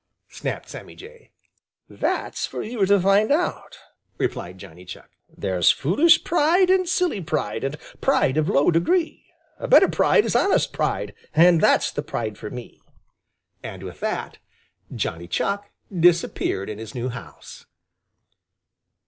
snapped Sammy Jay. "That's for you to find out," replied Johnny Chuck. "There's foolish pride and silly pride and pride of low degree; A better pride is honest pride, and that's the pride for me." And with that, Johnny Chuck disappeared in his new house.